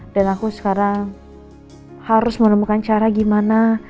dan aku sekarang harus menemukan cara gimana